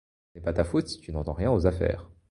Ce n'est pas ta faute si tu n'entends rien aux affaires.